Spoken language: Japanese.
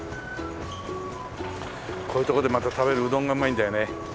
こういう所でまた食べるうどんがうまいんだよね。